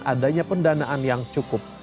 adanya pendanaan yang cukup